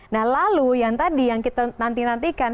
nah lalu yang tadi yang kita nanti nantikan